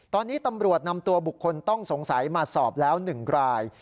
ตอนนี้ตำรวจนำตัวบุคคลต้องสงสัยมาสอบแล้ว๑ราย